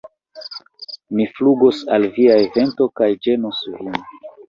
Mi flugos al via evento kaj ĝenos vin!